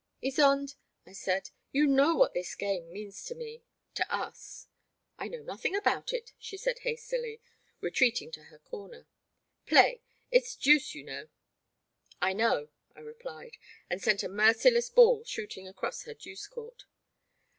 Ysonde,'* I said, you know what this game means to me — to us.*' I know nothing about it," she said, hastily, retreating to her comer ;play — it *s deuce you know. I know, I replied, and sent a merciless ball shooting across her deuce court.